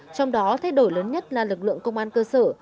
trong đó thay đổi lớn nhất là lực lượng công an cơ sở